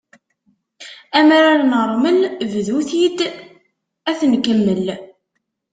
Amrar n ṛṛmel bdu-t-id ad t-nkemmel!